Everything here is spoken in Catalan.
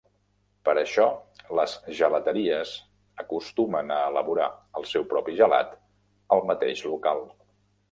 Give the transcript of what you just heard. Per això les gelateries acostumen a elaborar el seu propi gelat al mateix local.